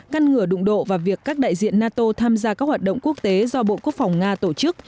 ngăn ngừa đụng độ và việc các đại diện nato tham gia các hoạt động quốc tế do bộ quốc phòng nga tổ chức